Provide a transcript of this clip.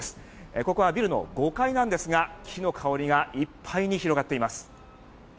ここはビルの５階なんですが木の香りがいっぱいに広がっています。